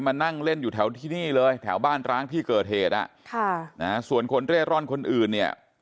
กับมานั่งเล่นอยู่แถวนี้เลยแถวบ้านตรที่เกิดเหตุค่ะส่วนคนเรศร่อนคนอื่นเนี่ย